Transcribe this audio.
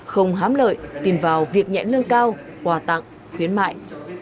không hám lợi tìm vào việc nhãn lương cao hòa tặng khuyến mại